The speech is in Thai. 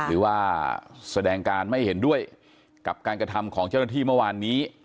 หรือว่าแสดงการไม่เห็นด้วยกับการกระทำของเจ้าหน้าที่เมื่อวานนี้